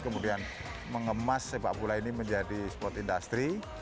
kemudian mengemas sepak bola ini menjadi sport industry